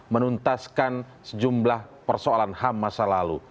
menuntaskan sejumlah persoalan ham masa lalu